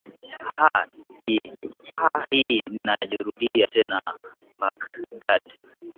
ha hii inajirudia tena baghdad